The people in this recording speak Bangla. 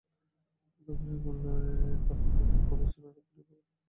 ততক্ষণ হেমনলিনী বাগানের রাস্তায় পদচারণা করিয়া বেড়াইতে লাগিল।